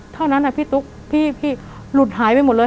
เท่านั้นพี่ตุ๊กพี่หลุดหายไปหมดเลย